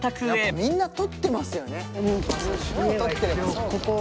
みんな取ってますよね。